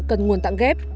cần đến nguồn tạng ghép